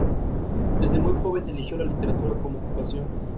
Desde muy joven eligió la literatura como ocupación.